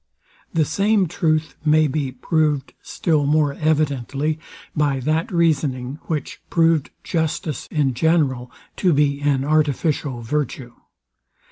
The same truth may be proved still more evidently by that reasoning, which proved justice in general to be an artificial virtue.